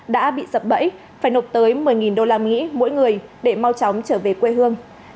đã bị sập bẫy phải nộp tới một mươi usd mỗi người để mau chóng trở về quê hương